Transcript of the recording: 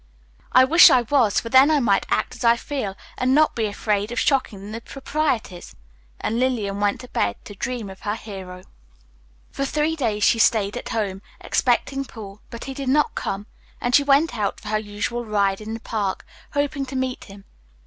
"I wish I was, for then I might act as I feel, and not be afraid of shocking the proprieties." And Lillian went to bed to dream of her hero. For three days she stayed at home, expecting Paul, but he did not come, and she went out for her usual ride in the Park, hoping to meet him.